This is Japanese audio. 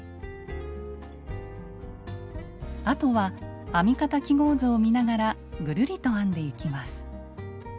あとは編み方記号図を見ながらぐるりと編んでいきます。